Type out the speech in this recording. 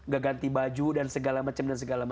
gak ganti baju dan segala macem